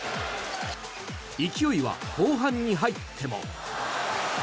勢いは後半に入っても。